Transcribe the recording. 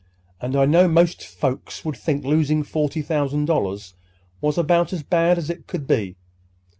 "And I know most folks would think losing forty thousand dollars was about as bad as it could be.